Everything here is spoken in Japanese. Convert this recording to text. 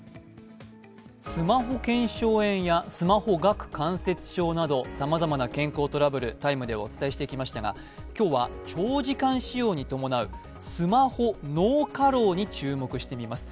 スマホけんしょう炎やスマホ顎関節症などさまざまな健康トラブル「ＴＩＭＥ，」ではお伝えしてきましたが今日は長時間使用に伴うスマホ脳過労に注目してみます。